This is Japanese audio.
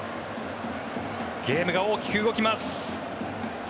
ゲームが大きく動きます。